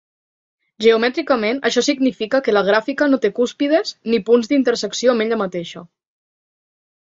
Geomètricament, això significa que la gràfica no té cúspides ni punts d'intersecció amb ella mateixa.